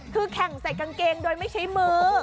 คือแข่งใส่กางเกงโดยไม่ใช้มือ